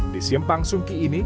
di simpang sungki ini